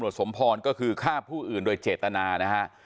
สมพรก็คือฆ่าผู้อื่นโดยเจตนานะฮะ